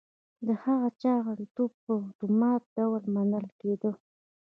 د هغه چا غړیتوب په اتومات ډول منل کېده.